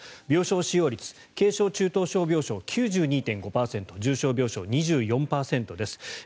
病床使用率軽症・中等症病床９２．５％重症病床２４％です。